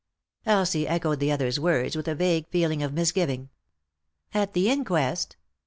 Elsie echoed the other's words with a vague feeling of misgiving. " At the inquest